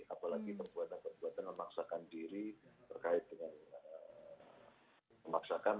apalagi perbuatan perbuatan memaksakan diri terkait dengan memaksakan